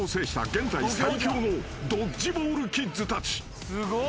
現在最強のドッジボールキッズたち］